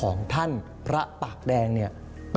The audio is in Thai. อ๋อออกไปอีก